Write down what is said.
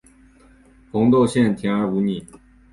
红豆馅甜而不腻